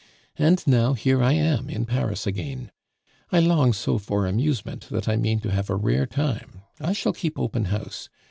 And now here I am in Paris again; I long so for amusement that I mean to have a rare time. I shall keep open house.